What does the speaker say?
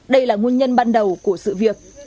đây là nguồn nhân ban đầu của sự việc